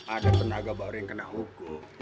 ada tenaga baru yang kena hukum